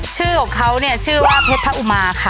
ชื่อของเขาชื่อว่าเพตพระอุมาค่ะ